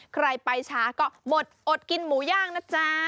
ใครไปช้าก็บดอดกินหมูย่างนะจ๊ะ